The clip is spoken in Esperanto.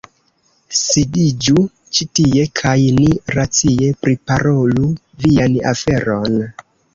Sidiĝu ĉi tie, kaj ni racie priparolu vian aferon.